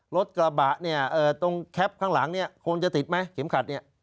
รถกระบะเนี่ยตรงแคปข้างหลังเนี่ยคงจะติดไหมเข็มขัดเนี่ย